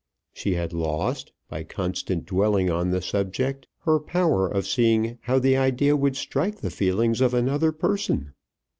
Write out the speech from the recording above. She had lost, by constant dwelling on the subject, her power of seeing how the idea would strike the feelings of another person.